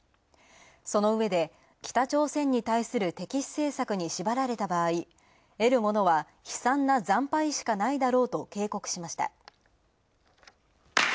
そのうえで、北朝鮮に対する敵視政策に縛られた場合、得るものは悲惨な惨敗しかないだろうと警告しました。